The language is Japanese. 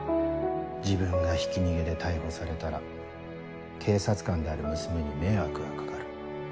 自分がひき逃げで逮捕されたら警察官である娘に迷惑が掛かる。